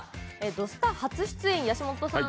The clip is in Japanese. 「土スタ」初出演、安元さん